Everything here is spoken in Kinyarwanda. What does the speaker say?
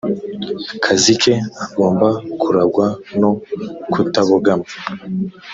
kazi ke agomba kurangwa no kutabogama